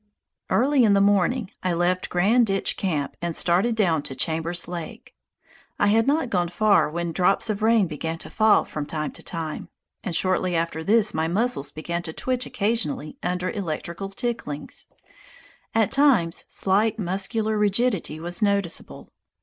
Early in the afternoon I left Grand Ditch Camp and started down to Chambers Lake. I had not gone far when drops of rain began to fall from time to time, and shortly after this my muscles began to twitch occasionally under electrical ticklings. At times slight muscular rigidity was noticeable.